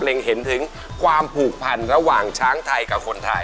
เห็นถึงความผูกพันระหว่างช้างไทยกับคนไทย